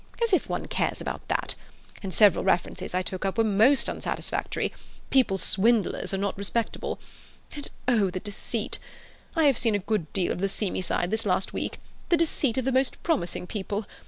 As if one cares about that! And several references I took up were most unsatisfactory—people swindlers, or not respectable. And oh, the deceit! I have seen a good deal of the seamy side this last week. The deceit of the most promising people.